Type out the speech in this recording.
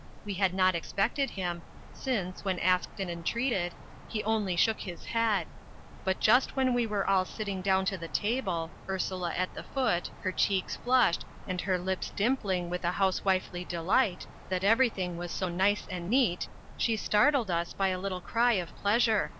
We had not expected him, since, when asked and entreated, he only shook his head; but just when we were all sitting down to the table, Ursula at the foot, her cheeks flushed, and her lips dimpling with a house wifely delight that everything was so nice and neat, she startled us by a little cry of pleasure.